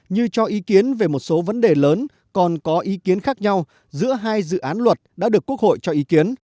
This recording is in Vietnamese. như cho ý kiến về một số vấn đề lớn còn có ý kiến khác nhau giữa hai dự án luật đã được quốc hội cho ý kiến